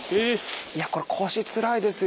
これ腰つらいですよ。